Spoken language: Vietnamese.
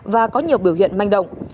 và có nhiều biểu hiện manh động